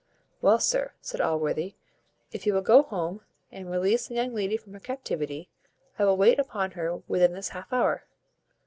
"Well, sir," said Allworthy, "if you will go home, and release the young lady from her captivity, I will wait upon her within this half hour."